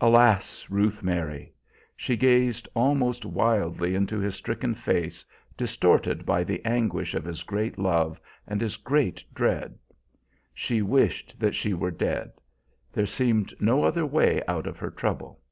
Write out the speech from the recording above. Alas, Ruth Mary! She gazed almost wildly into his stricken face, distorted by the anguish of his great love and his great dread. She wished that she were dead. There seemed no other way out of her trouble.